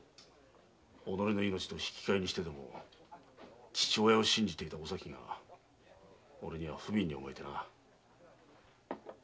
己の命と引き換えにしてでも父親を信じていたおさきが俺には不憫に思えてな。